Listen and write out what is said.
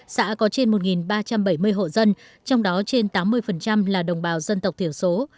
xã có trên một ba trăm bảy mươi hộ dân trong đó trên tám mươi là đồng bào dân tộc thiểu số